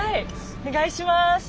お願いします！